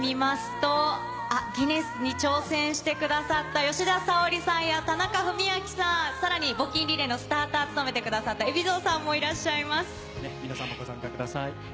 ギネスに挑戦してくださった吉田沙保里さんや田中史朗さん、募金リレーのスターターを務めてくださった海老蔵さんもいらっしゃいます。